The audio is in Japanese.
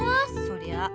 そりゃ。